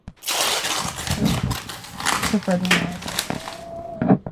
So this approach is not amenable to further analysis of the cycle.